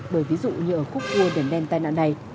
bởi ví dụ như ở khúc cua điểm đen tai nạn này